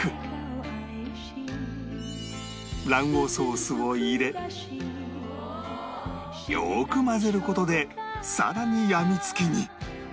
卵黄ソースを入れよく混ぜる事でさらにやみつきに！